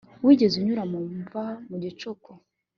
Wigeze unyura mu mva mu gicuku